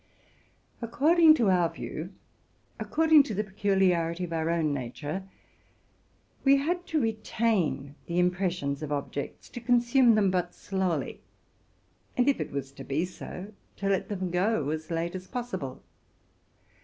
According to our view, according to the peculiarity of our own nature, we had to retain the impres sions of objects, to consume them but slowly, and, if it was to be so, to let them go as late as possible.